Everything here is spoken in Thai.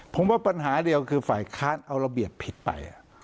ผมว่าปัญหาเดียวคือฝ่ายค้านเอาระเบียบผิดไป